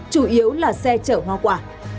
chủ yếu là xe chở hoa quả